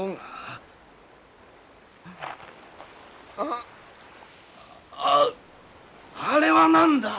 あっああれは何だ？